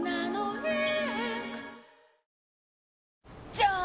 じゃーん！